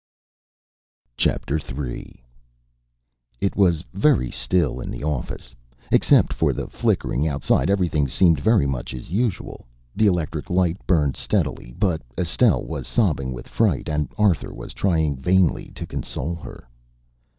III. It was very still in the office. Except for the flickering outside everything seemed very much as usual. The electric light burned steadily, but Estelle was sobbing with fright and Arthur was trying vainly to console her.